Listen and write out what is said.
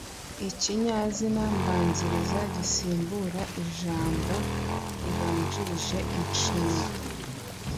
Ikinyazina mbanziriza gisimbura ijambo ribanjirije inshinga.